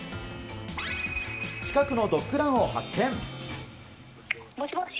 近くのドッグランを発見。もしもし。